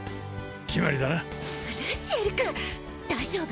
決まりだなルシエル君大丈夫？